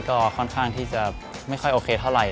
ก็ค่อนข้างที่จะไม่ค่อยโอเคเท่าไหร